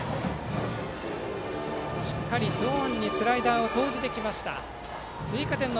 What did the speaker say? しっかりゾーンにスライダーを投じてきました。